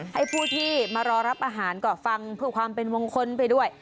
ให้ผู้ที่มารอรับอาหารก็ฟังเพื่อความเป็นมงคลไปด้วย